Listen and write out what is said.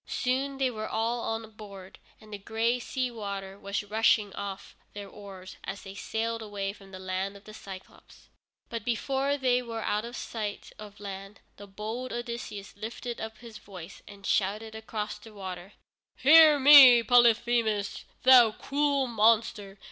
Soon they were all on board, and the gray sea water was rushing off their oars, as they sailed away from the land of the Cyclôpes. But before they were out of sight of land, the bold Odysseus lifted up his voice and shouted across the water: "Hear me, Polyphemus, thou cruel monster!